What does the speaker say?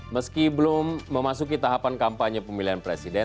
meski belum memasuki tahapan kampanye pemilihan presiden